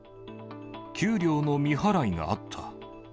給料の未払いがあった。